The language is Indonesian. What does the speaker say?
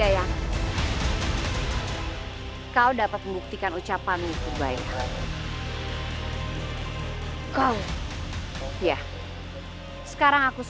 ayah naik p jeff queers